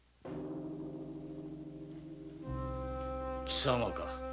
貴様か。